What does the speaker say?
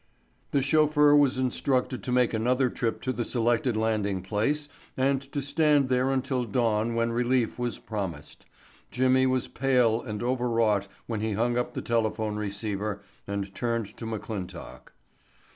The chauffeur was instructed to make another trip to the selected landing place and to stay there until dawn when relief was promised. Jimmy was pale and over wrought when he hung up the telephone receiver and turned to McClintock.